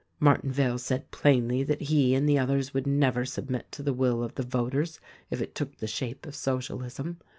Martinvale said plainly that he and the others would never submit to the will of the voters if it took the shape of Socialism.